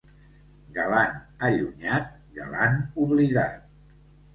Galant allunyat, galant oblidat.